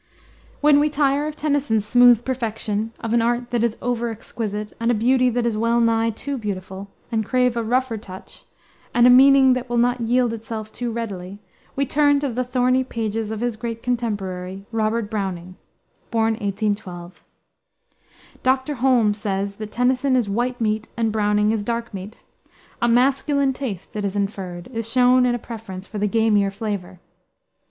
When we tire of Tennyson's smooth perfection, of an art that is over exquisite, and a beauty that is well nigh too beautiful, and crave a rougher touch, and a meaning that will not yield itself too readily, we turn to the thorny pages of his great contemporary, Robert Browning (1812 ). Dr. Holmes says that Tennyson is white meat and Browning is dark meat. A masculine taste, it is inferred, is shown in a preference for the gamier flavor.